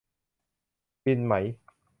กินไหม ?